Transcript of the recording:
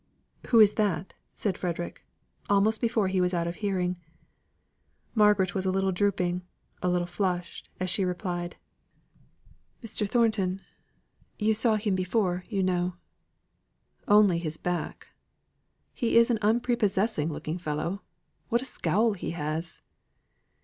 "Who is that?" said Frederick, almost before he was out of hearing. Margaret was a little drooping, a little flushed, as she replied: "Mr. Thornton; you saw him before, you know." "Only his back. He is an unprepossessing looking fellow. What a scowl he has!"